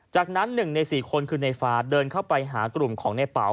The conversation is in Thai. จากนั้น๑ใน๔คนคือในฟ้าเดินเข้าไปหากลุ่มของในเป๋า